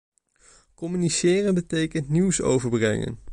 Communiceren betekent nieuws overbrengen.